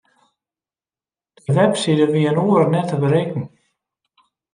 De webside wie in oere net te berikken.